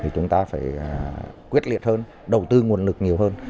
chúng ta phải quyết liệt hơn đầu tư nguồn lực nhiều hơn